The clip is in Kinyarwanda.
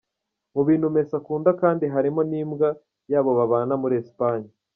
Mubintu Messi akunda kandi harimo n'imbwa yabo babana muri Espanye.